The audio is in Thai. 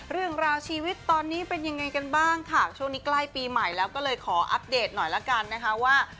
เรื่องราวชีวิตตอนนี้เป็นยังไงกันบ้างค่ะช่วงนี้ใกล้ปีใหม่แล้วก็เลยขออัปเดตหน่อยละกันนะคะว่า